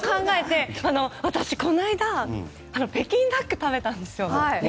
私、この間北京ダックを食べたんですよ。